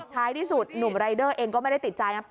ท้ายที่สุดหนุ่มรายเดอร์เองก็ไม่ได้ติดใจนะ